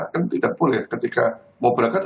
kan tidak boleh ketika mau berangkat